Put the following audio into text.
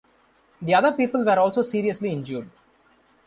The other people were also seriously injured.